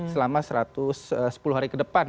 selama satu ratus sepuluh hari ke depan